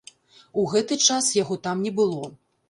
У гэты час яго там не было.